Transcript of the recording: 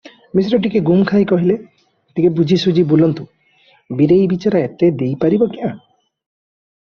ମିଶ୍ରେ ଟିକିଏ ଗୁମ୍ ଖାଇ କହିଲେ, ଟିକିଏ ବୁଝିସୁଝି ବୋଲନ୍ତୁ, ବୀରେଇ ବିଚରା ଏତେ ଦେଇ ପାରିବ କ୍ୟାଁ?